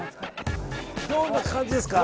どんな感じですか？